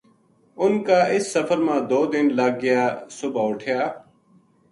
انھ کا اس سفر ما دو دن لگ گیا صبح اُٹھیا